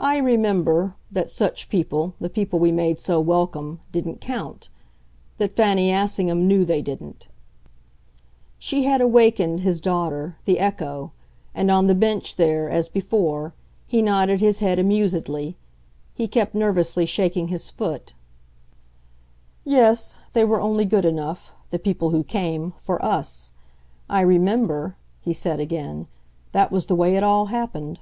"I remember that such people, the people we made so welcome, didn't 'count'; that Fanny Assingham knew they didn't." She had awakened, his daughter, the echo; and on the bench there, as before, he nodded his head amusedly, he kept nervously shaking his foot. "Yes, they were only good enough the people who came for US. I remember," he said again: "that was the way it all happened."